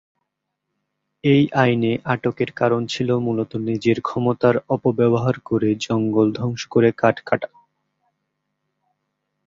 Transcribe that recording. এই আইনে আটকের কারণ ছিল মূলত নিজের ক্ষমতার অপব্যবহার করে জঙ্গল ধ্বংস করে কাঠ কাটা।